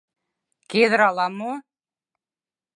Кедр ала-мо.